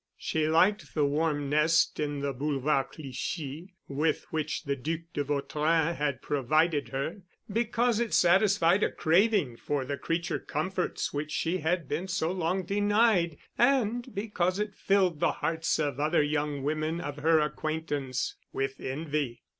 She liked the warm nest in the Boulevard Clichy, with which the Duc de Vautrin had provided her, because it satisfied a craving for the creature comforts which she had been so long denied, and because it filled the hearts of other young women of her acquaintance with envy.